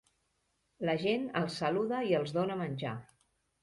La gent els saluda i els dóna menjar.